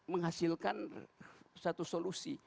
menghasilkan satu solusi